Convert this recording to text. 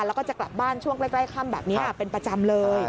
แล้วก็จะกลับบ้านช่วงใกล้ค่ำแบบนี้เป็นประจำเลย